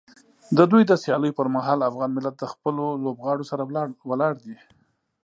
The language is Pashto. د دوی د سیالیو پر مهال افغان ملت د خپلو لوبغاړو سره ولاړ دی.